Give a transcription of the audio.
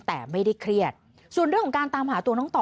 แต่ไม่ได้เครียดส่วนเรื่องของการตามหาตัวน้องต่อ